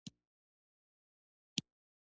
ډلې پر ځای ګروپونو تمرکز کوي.